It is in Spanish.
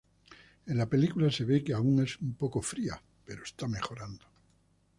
En la película, se ve que aun es un poco fría, pero está mejorando.